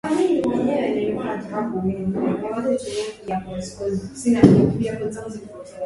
alisema mjumbe wa Umoja wa Afrika, Mohamed Lebatt katika mkutano wa pamoja na waandishi wa habari mjini Khartoum